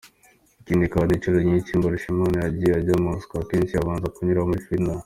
Ikindi kandi inshuro nyishi Mbarushimana yagiye ajya Moscou akenshi yabanza kunyura muri Finland.